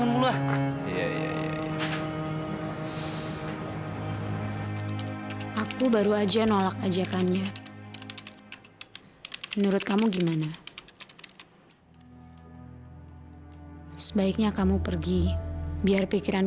enggak enggak aku gak mau pergi sendirian do